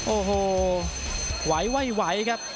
โอ้โหเหว่ยครับ